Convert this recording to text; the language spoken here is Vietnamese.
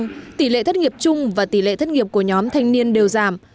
nhưng tỷ lệ thất nghiệp chung và tỷ lệ thất nghiệp của nhóm thanh niên đều giảm